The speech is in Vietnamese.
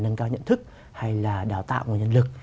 nâng cao nhận thức hay là đào tạo nguồn nhân lực